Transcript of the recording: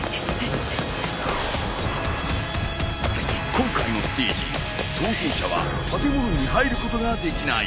今回のステージ逃走者は建物に入ることができない。